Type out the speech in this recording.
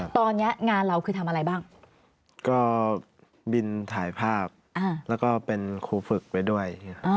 ตอนนี้งานเราคือทำอะไรบ้างก็บินถ่ายภาพแล้วก็เป็นครูฝึกไปด้วย